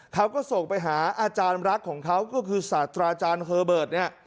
เขาก็ส่งไปหาอาจารย์รักของเขาก็คือสัตราจารย์อัลเบิร์ต